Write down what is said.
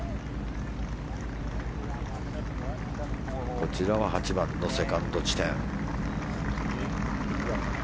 こちらは８番のセカンド地点。